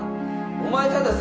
お前たださ